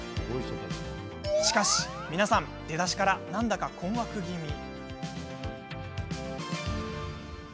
しかし、皆さん出だしから何だか困惑気味。